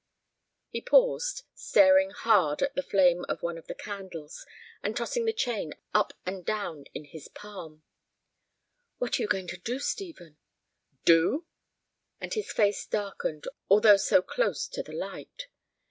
He paused, staring hard at the flame of one of the candles, and tossing the chain up and down in his palm. "What are you going to do, Stephen?" "Do?" And his face darkened, although so close to the light.